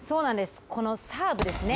このサーブですね。